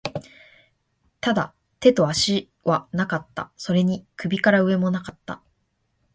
ただ、手と足はなかった。それに首から上も無かった。